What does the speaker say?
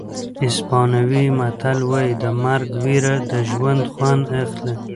اسپانوي متل وایي د مرګ وېره د ژوند خوند اخلي.